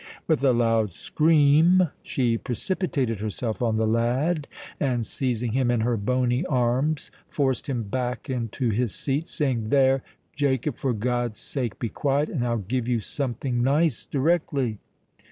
With a loud scream, she precipitated herself on the lad; and, seizing him in her bony arms, forced him back into his seat, saying—"There, Jacob—for God's sake be quiet; and I'll give you something nice directly."